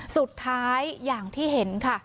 สุดท้ายอย่างที่เห็นค่ะ